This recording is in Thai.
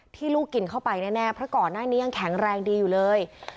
ลูกกินเข้าไปแน่เพราะก่อนหน้านี้ยังแข็งแรงดีอยู่เลย